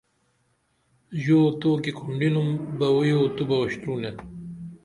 ژواو تو کی کھنڈینُم بوئییو تو بہ اُشترونے